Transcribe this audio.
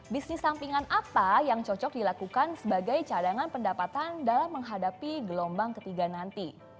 bisnis sampingan apa yang cocok dilakukan sebagai cadangan pendapatan dalam menghadapi gelombang ketiga nanti